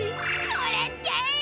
これって！